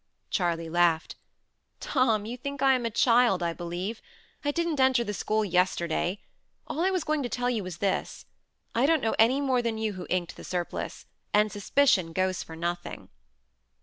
Charley laughed. "Tom, you think I am a child, I believe. I didn't enter the school yesterday. All I was going to tell you was this: I don't know any more than you who inked the surplice; and suspicion goes for nothing."